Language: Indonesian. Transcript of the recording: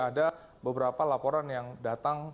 ada beberapa laporan yang datang